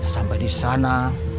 sampai di sana